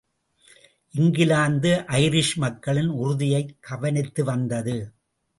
England Irish மக்களின் உறுதியைக் கவனித்து வந்தது.